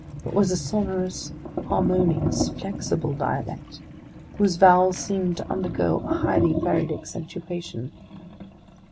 It was a sonorous, harmonious, flexible dialect whose vowels seemed to undergo a highly varied accentuation.